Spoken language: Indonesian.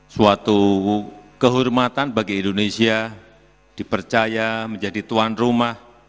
suatu kehormatan bagi indonesia dipercaya menjadi tuan rumah